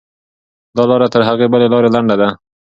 دا لاره تر هغې بلې لارې لنډه ده.